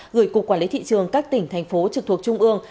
gửi cục quản lý thị trường các tỉnh thành phố trực thuộc trung ương